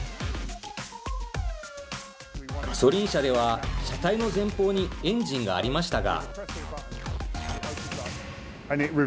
ガソリン車では車体の前方にエンジンがありましたが。